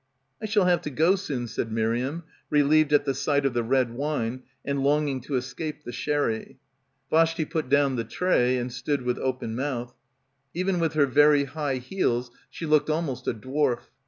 "I shall have to go soon," said Miriam, relieved at the sight of the red wine and longing to escape the sherry. Vashti put down the tray and stood with open mouth. Even with her very high heels she looked almost a dwarf.